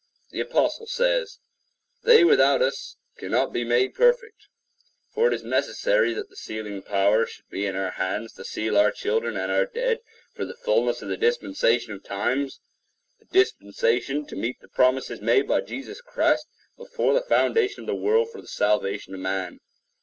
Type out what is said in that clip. The Apostle says, "They without us cannot be made perfect;" (Hebrews 11:40) for it is necessary that the sealing power should be in our hands to seal our children and our dead for the fulness of the dispensation of times—a dispensation to meet the promises made by Jesus Christ before the foundation of the world for the salvation of man.